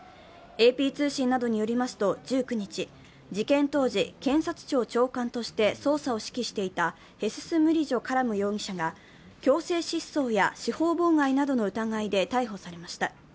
ＡＰ通信などによりますと１９日、事件当時、検察庁長官として捜査を指揮していたヘスス・ムリジョ・カラム容疑者が強制失踪や司法妨害などの疑いで逮捕されました。